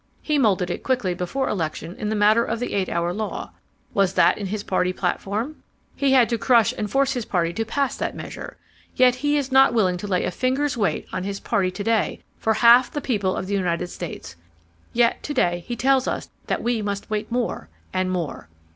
He moulded it quickly before election in the matter of the eight hour law. Was that in his party platform? He had to crush and force his party to pass that measure. Yet he is not willing to lay a finger's weight on his party to day for half the people of the United States .... Yet to day he tells us that we must wait more—and more.